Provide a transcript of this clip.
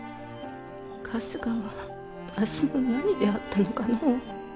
春日はわしの何であったのかの。